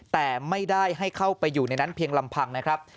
แต่ไม่ได้ให้เข้าไปอยู่ในนั้นเพียงลำพังนะครับ